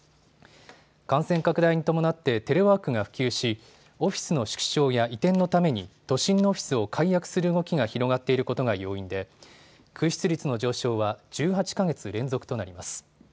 感染拡大に伴ってテレワークが普及し、オフィスの縮小や移転のために、都心のオフィスを解約する動きが広がっていることが要因で、空室率の上昇は、１８か月連続となります。